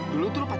ya udah perfect